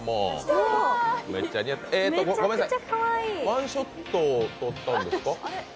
ごめんなさい、ワンショットを撮ったんですか？